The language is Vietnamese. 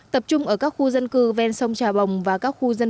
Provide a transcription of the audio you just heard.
tập trung ở các khu dân tộc